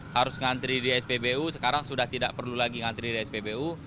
harus ngantri di spbu sekarang sudah tidak perlu lagi ngantri di spbu